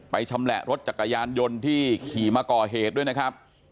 ชำแหละรถจักรยานยนต์ที่ขี่มาก่อเหตุด้วยนะครับ